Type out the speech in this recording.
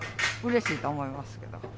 うれしいと思いますけど。